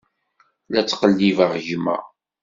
La ttqellibeɣ gma.